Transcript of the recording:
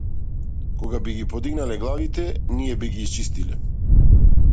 Кога би ги подигнале главите, ние би ги исчистиле!